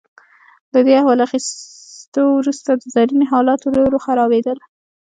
له دې احوال وروسته د زرینې حالات ورو ورو خرابیدل.